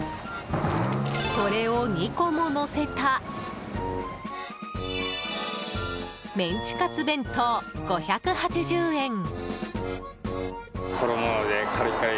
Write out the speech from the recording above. それを２個ものせたメンチカツ弁当、５８０円。